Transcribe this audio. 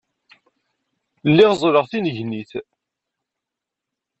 Lliɣ ẓẓleɣ d tinnegnit.